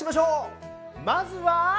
まずは。